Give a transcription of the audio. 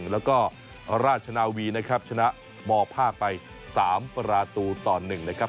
แล้วก็ราชนาวีนะครับ